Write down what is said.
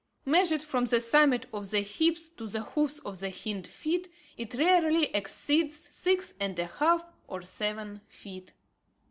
Measured from the summit of the hips to the hoofs of the hind feet, it rarely exceeds six and a half, or seven feet.